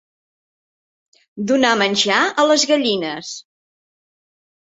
Donar menjar a les gallines.